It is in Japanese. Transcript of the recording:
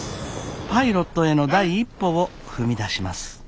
パイロットへの第一歩を踏み出します。